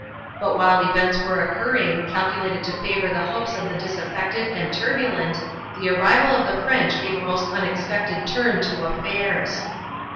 But while events were occurring, calculated to favour the hopes of the disaffected and turbulent, the arrival of the French gave a most unexpected turn to affairs.